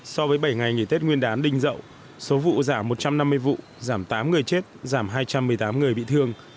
so với bảy ngày nghỉ tết nguyên đán đình dậu số vụ giảm một trăm năm mươi vụ giảm tám người chết giảm hai trăm một mươi tám người bị thương